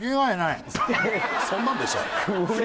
そんなんでした？